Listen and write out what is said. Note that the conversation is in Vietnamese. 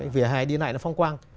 vỉa hẻ đi này nó phong quang